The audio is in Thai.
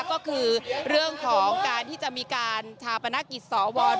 ก็คือเรื่องของการที่จะมีการทาพนาคิดสวรรค์